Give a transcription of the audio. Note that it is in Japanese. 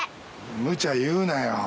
むちゃ言うなよ。